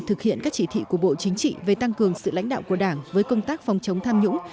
thực hiện các chỉ thị của bộ chính trị về tăng cường sự lãnh đạo của đảng với công tác phòng chống tham nhũng